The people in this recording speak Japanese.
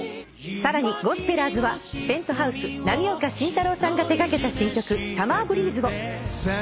さらにゴスペラーズはＰｅｎｔｈｏｕｓｅ浪岡真太郎さんが手掛けた新曲『ＳｕｍｍｅｒＢｒｅｅｚｅ』を。